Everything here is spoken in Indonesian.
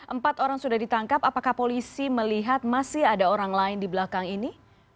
empat orang sudah ditangkap apakah polisi melihat masih ada orang lain di belakang ini